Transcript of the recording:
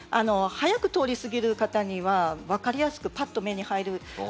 速く通り過ぎる方には分かりやすくパッと目に入る